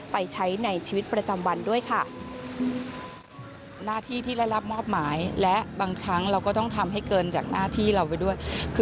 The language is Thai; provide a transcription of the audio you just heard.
ไปใช้ในชีวิตประจำวันด้วยค่ะ